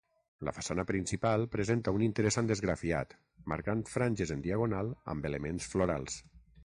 La façana principal presenta un interessant esgrafiat marcant franges en diagonal amb elements florals.